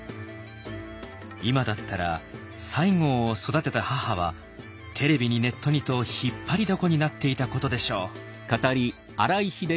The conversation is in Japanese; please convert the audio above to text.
今だったら西郷を育てた母はテレビにネットにと引っ張りだこになっていたことでしょう。